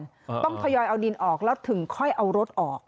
ต้องทยอยเอาดินออกแล้วถึงค่อยเอารถออก